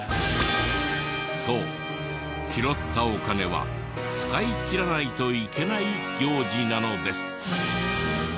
そう拾ったお金は使いきらないといけない行事なのです。